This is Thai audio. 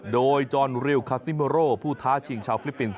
โดยจอนริวคาซิโมโรผู้ท้าชิงชาวฟิลิปปินส์